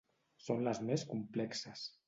Són les més complexes.